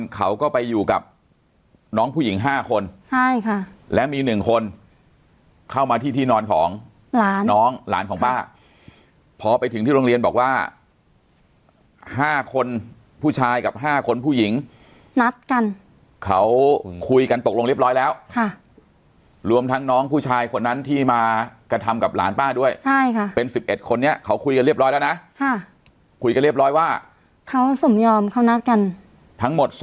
เขาก็ไปอยู่กับน้องผู้หญิง๕คนใช่ค่ะและมี๑คนเข้ามาที่ที่นอนของหลานน้องหลานของป้าพอไปถึงที่โรงเรียนบอกว่า๕คนผู้ชายกับ๕คนผู้หญิงนัดกันเขาคุยกันตกลงเรียบร้อยแล้วค่ะรวมทั้งน้องผู้ชายคนนั้นที่มากระทำกับหลานป้าด้วยใช่ค่ะเป็น๑๑คนนี้เขาคุยกันเรียบร้อยแล้วนะค่ะคุยกันเรียบร้อยว่าเขาสมยอมเขานัดกันทั้งหมด